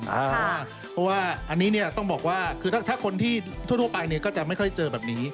เพราะว่าอันนี้เนี่ยต้องบอกว่าคือถ้าคนที่ทั่วไปเนี่ยก็จะไม่ค่อยเจอแบบนี้